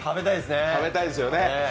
食べたいですね！